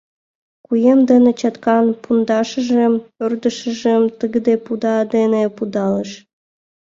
Куэм дене чаткан пундашыжым, ӧрдыжшым тыгыде пуда дене пудалыш.